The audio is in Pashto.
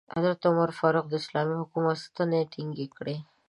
حضرت عمر فاروق د اسلامي حکومت ستنې ټینګې کړې.